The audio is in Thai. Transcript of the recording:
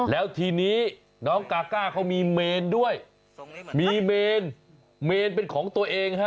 แล้วทีนี้น้องกาก้าเขามีเมนด้วยมีเมนเมนเป็นของตัวเองฮะ